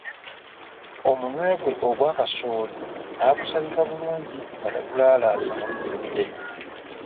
Omunwe gwe ogwa kasooli nagusabika bulungi nga tagulaalasa mu lujjudde.